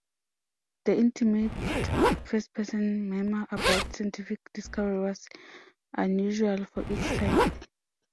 The intimate first-person memoir about scientific discovery was unusual for its time.